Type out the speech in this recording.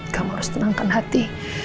kamu harus tenangkan hati